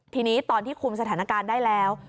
ทีนี้ตอนที่คุมสถานการณ์ได้แล้ว